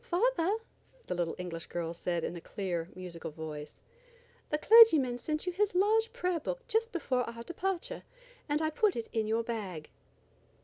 "Father," the little English girl said in a clear, musical voice, "the clergyman sent you his large prayer book just before our departure, and I put it in your bag."